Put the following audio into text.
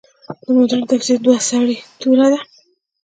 د مډرن تفسیر دوه سرې توره ده.